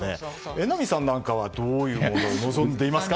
榎並さんなんかはどういうものを望んでいますか？